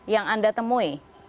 yang anda temui